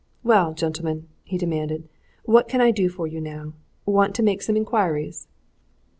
"Well, gentlemen!" he demanded. "What can I do for you now? Want to make some inquiries?"